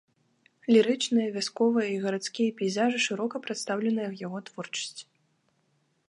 Лірычныя, вясковыя і гарадскія пейзажы шырока прадстаўлены ў яго творчасці.